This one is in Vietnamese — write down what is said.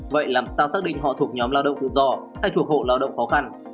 vậy làm sao xác định họ thuộc nhóm lao động tự do hay thuộc hộ lao động khó khăn